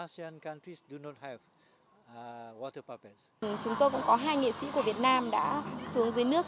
chúng tôi cũng có hai nghệ sĩ của việt nam đã xuống dưới nước